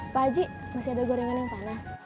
pak haji masih ada gorengan yang panas